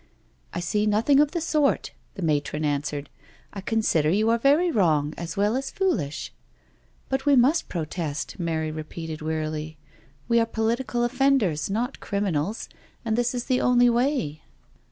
" I see nothing of the sort," the matron answered. I consider you are very wrong as well as foolish." " But we must protest," Mary repeated wearily. IN THE PUNISHMENT CELL 277 We are political offenders not criminals, and this is the only way."